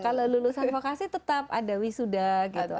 kalau lulusan vokasi tetap ada wisuda gitu